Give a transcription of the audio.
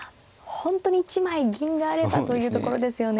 本当に１枚銀があればというところですよね。